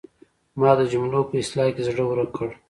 ما د جملو په اصلاح کې زړه ورک کړ.